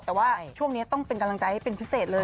แต่ว่าช่วงนี้ต้องเป็นกำลังใจให้เป็นพิเศษเลย